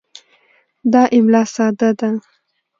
دا املا ساده ده.